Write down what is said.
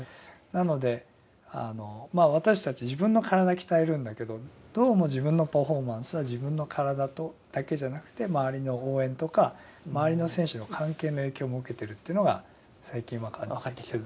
なので私たち自分の体鍛えるんだけどどうも自分のパフォーマンスは自分の体だけじゃなくて周りの応援とか周りの選手の関係の影響も受けてるというのが最近分かってきて。